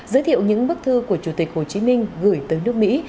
giới thiệu những bức thư của chủ tịch hồ chí minh gửi tới nước mỹ